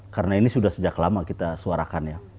karena ini sudah sejak lama kita suarakan